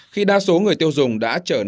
khi đa số người tiêu dùng đã trở nên nổi bật